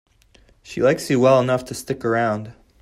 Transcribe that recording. She likes you well enough to stick around.